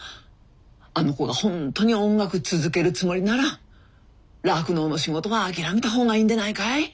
あの子が本当に音楽続けるつもりなら酪農の仕事は諦めた方がいいんでないかい？